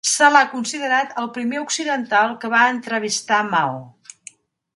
Se l'ha considerat el primer occidental que va entrevistar Mao.